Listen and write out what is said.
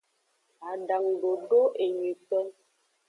Adangudodo enyuieto.